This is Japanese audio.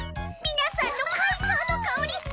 皆さんの海藻の香り